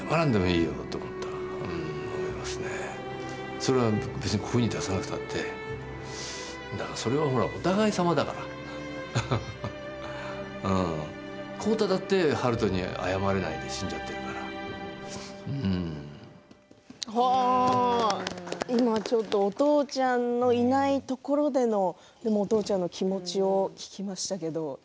それは別に声に出さなくたって、それは今ちょっと、お父ちゃんのいないところでのでもお父ちゃんの気持ちを聞きましたけれど。